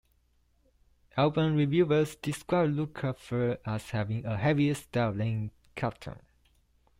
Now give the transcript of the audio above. Album reviewers described Lukather as having a heavier style than Carlton.